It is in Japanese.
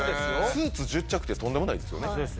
スーツ１０着ってとんでもないですよね。